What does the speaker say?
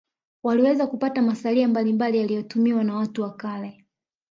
waliweza kupata masalia mbalimbali yaliyotumiwa na watu wa kale